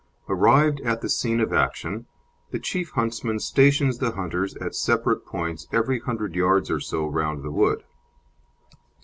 Arrived at the scene of action, the chief huntsman stations the hunters at separate points every hundred yards or so round the wood.